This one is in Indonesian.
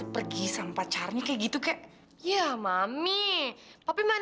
kenapa dengan omas